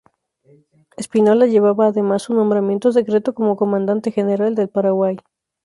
Espínola llevaba además su nombramiento secreto como comandante general del Paraguay.